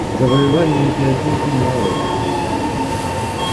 Завоевания эти отнюдь не малые.